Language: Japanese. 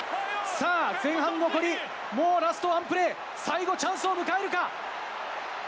さあ、前半残り、もうラストワンプレー、最後チャンスを迎えるか？